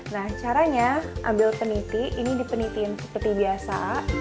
nah caranya ambil peniti ini dipenitiin seperti biasa